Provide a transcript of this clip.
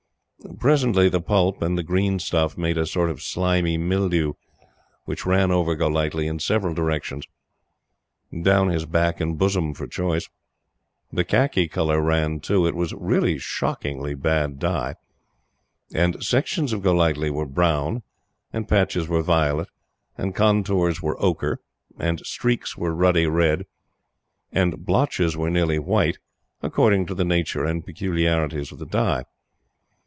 Presently, the pulp and the green stuff made a sort of slimy mildew which ran over Golightly in several directions down his back and bosom for choice. The khaki color ran too it was really shockingly bad dye and sections of Golightly were brown, and patches were violet, and contours were ochre, and streaks were ruddy red, and blotches were nearly white, according to the nature and peculiarities of the dye.